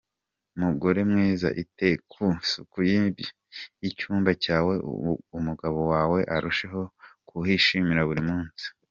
Mugore mwiza ,ite ku isuku y’icyumba cyawe umugabo wawe arusheho kuhishimira buri munsi.